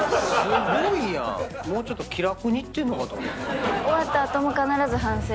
もうちょっと気楽に行ってんのかと思った。